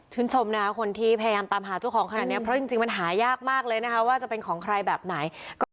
ชมนะคนที่พยายามตามหาเจ้าของขนาดนี้เพราะจริงมันหายากมากเลยนะคะว่าจะเป็นของใครแบบไหน